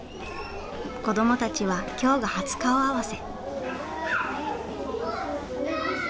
子どもたちは今日が初顔合わせ。